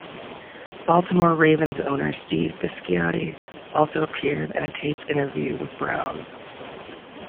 Baltimore Ravens owner Steve Bisciotti also appeared in a taped interview with Brown.